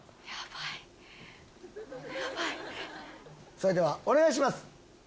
それではお願いします。